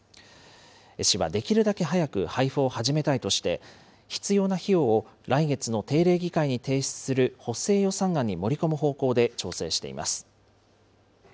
市はできるだけ早く配布を始めたいとして、必要な費用を来月の定例議会に提出する補正予算案に盛り込む方向で調整しています。